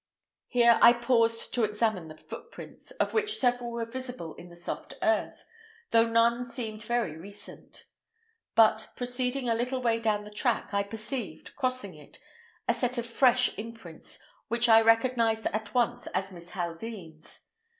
Here I paused to examine the footprints, of which several were visible in the soft earth, though none seemed very recent; but, proceeding a little way down the track, I perceived, crossing it, a set of fresh imprints, which I recognized at once as Miss Haldean's.